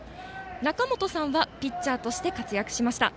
なかもとさんはピッチャーとして活躍しました。